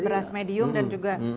beras medium dan juga